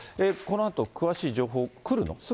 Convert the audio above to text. このあと詳しい情報来るの？